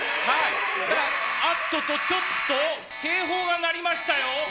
あっと、ちょっと警報が鳴りましたよ。